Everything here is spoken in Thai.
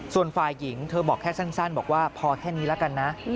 ส่วนฝ่ายหญิงเธอบอกแค่สั้นบอกว่าพอแค่นี้แล้วกันนะ